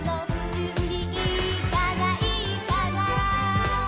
「じゅんびいいかないいかな」